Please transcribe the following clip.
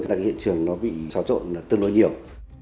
là hiện trường nó bị xóa trộn tương đối nhiều